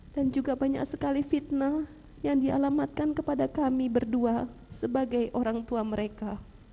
dan juga banyak sekali fitnah yang dialamatkan kepada kami berdua sebagai orang tua mereka